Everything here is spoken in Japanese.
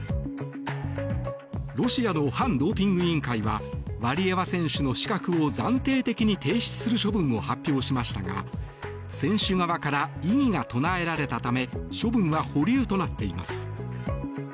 ロシアの反ドーピング委員会はワリエワ選手の資格を暫定的に停止する処分を発表しましたが選手側から異議が唱えられたため処分は保留となっています。